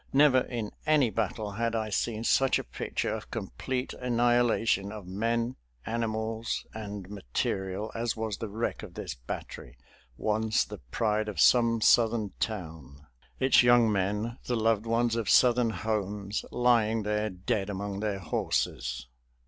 Never in any battle had I seen such a picture of complete annihilation of men, animals, and material as was the wreck of this battery, once the pride of some Southern town its young men, the loved ones of Southern homes, lying there dead among their horses.